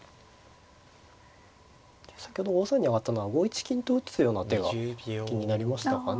先ほど５三に上がったのは５一金と打つような手が気になりましたかね。